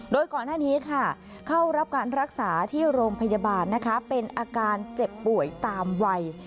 โดยก่อนหน้านี้ค่ะเข้ารับการรักษาที่โรงพยาบาลนะคะเป็นอาการเจ็บป่วยตามวัย